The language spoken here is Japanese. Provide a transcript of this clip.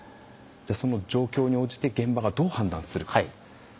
その状況に応じてどう現場が判断するか。